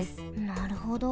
なるほど。